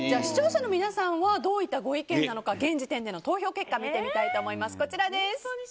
視聴者の皆さんはどういったご意見なのか現時点での投票結果を見てみたいと思います。